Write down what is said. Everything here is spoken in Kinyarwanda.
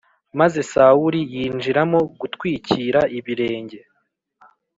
Maze Sawuli yinjiramo gutwikīra ibirenge